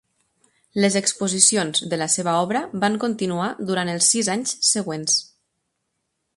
Les exposicions de la seva obra van continuar durant els sis anys següents.